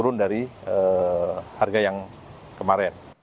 turun dari harga yang kemarin